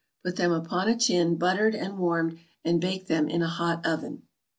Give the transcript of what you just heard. Put them upon a tin, buttered and warmed, and bake them in a hot oven.